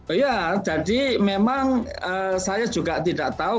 oh iya jadi memang saya juga tidak tahu